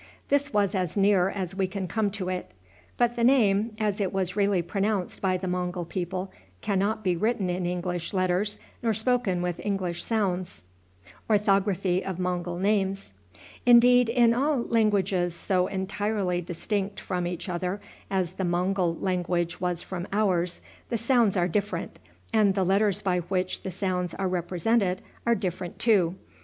This is as near as we can come to it; but the name, as it was really pronounced by the Mongul people, can not be written in English letters nor spoken with English sounds. Indeed, in all languages so entirely distinct from each other as the Mongul language was from ours, the sounds are different, and the letters by which the sounds are represented are different too.